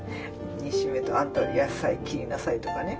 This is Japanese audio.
煮しめとか「あんた野菜切りなさい」とかね